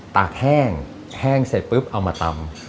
ตากแห้งแห้งเสร็จปุ๊บเอามาตำ